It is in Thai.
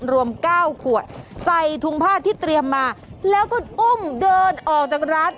รวม๙ขวดใส่ถุงผ้าที่เตรียมมาแล้วก็อุ้มเดินออกจากร้าน